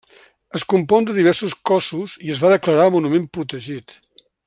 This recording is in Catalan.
Es compon de diversos cossos i es va declarar monument protegit.